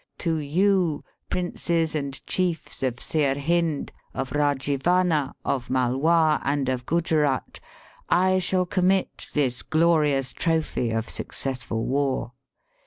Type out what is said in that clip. To you, princes and chiefs of Sirhind, of Eajivana, of Malwa, and of Guze rat, I shall commit this glorious trophy of successful war.